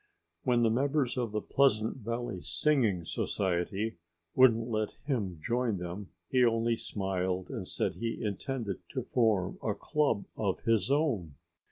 When the members of the Pleasant Valley Singing Society wouldn't let him join them he only smiled and said he intended to form a club of his own.